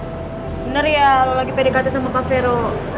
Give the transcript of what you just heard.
bener ya lo lagi pdkt sama kak fero